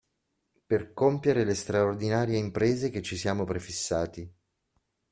Per compiere le straordinarie imprese che ci siamo prefissati.